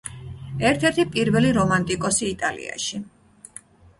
ერთ-ერთი პირველი რომანტიკოსი იტალიაში.